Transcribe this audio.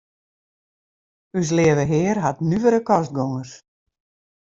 Us Leave Hear hat nuvere kostgongers.